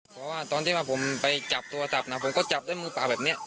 เพราะว่าตอนที่ว่าผมไปจับโทรศัพท์นะผมก็จับด้วยมือเปล่าแบบนี้